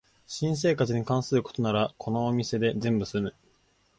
新生活に関することならこのお店で全部すむ